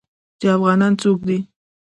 چې افغانان څوک دي.